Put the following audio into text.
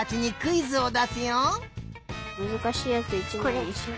むずかしいやついちばんにしよ。